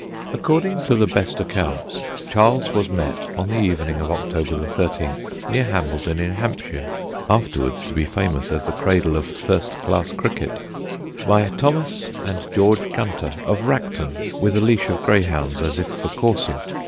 According to the best accounts Charles was met, on the evening of October 13, near Hambledon, in Hampshire (afterwards to be famous as the cradle of first class cricket), by Thomas and George Gunter of Racton, with a leash of greyhounds as if for coursing.